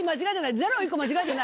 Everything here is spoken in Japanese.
ゼロ一個間違えてない？